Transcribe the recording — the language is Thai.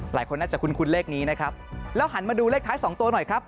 หลายคนน่าจะคุ้นเลขนี้นะครับแล้วหันมาดูเลขท้ายสองตัวหน่อยครับ